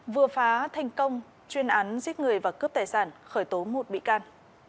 vừa phá thành công chuyên án giết người và cướp tài sản khởi tố một bị can